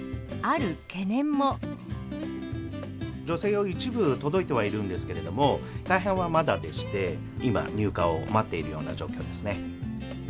女性用、一部届いてはいるんですけれども、大半はまだでして、今、入荷を待っているような状況ですね。